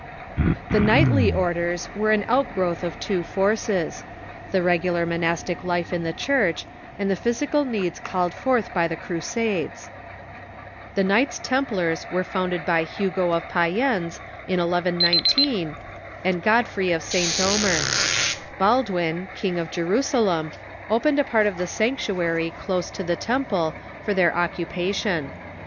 The knightly orders were an outgrowth of two forces — the regular monastic life in the Church, and the physical needs ,.. called forth by the Crusades. The Knights Tem Knightly Orders ,/ ttitt pt .• plars were louuded by Hugo oi Payens m 1119, and Godfrey of St. Omer. Baldwin, King of Jerusalem, opened a part of the sanctuary close to the temple for their occupa tion.